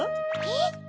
えっ？